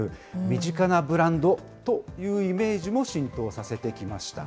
身近なブランドというイメージも浸透させてきました。